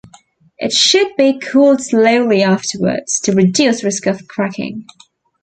It should be cooled slowly afterwards, to reduce risk of cracking.